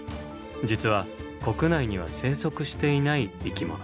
実は国内には生息していない生き物。